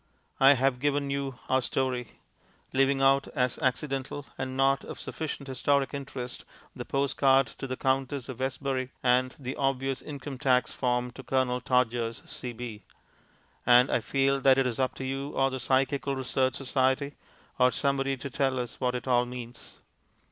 I have given you our story leaving out as accidental, and not of sufficient historic interest, the postcard to the Countess of Westbury and the obvious income tax form to Colonel Todgers, C.B. and I feel that it is up to you or the Psychical Research Society or somebody to tell us what it all means.